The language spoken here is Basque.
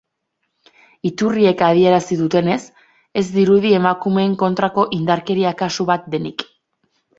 Iturriek adierazi dutenez, ez dirudi emakumeen kontrako indarkeria kasu bat denik.